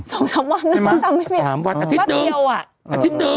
สามวันแล้วสามวันอาทิตย์เดียวอ่ะอาทิตย์เดียว